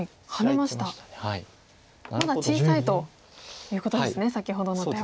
まだ小さいということですね先ほどの手は。